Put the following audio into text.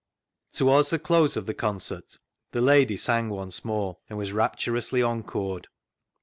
Towards the close of the concert the lady sang once more, and was rapturously encored.